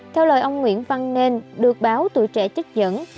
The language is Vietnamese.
theo lời ông nguyễn văn nên được báo tuổi trẻ trích dẫn